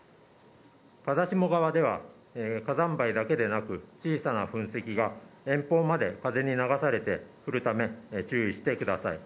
風下側では、火山灰だけでなく、小さな噴石が遠方まで風に流されて降るため、注意してください。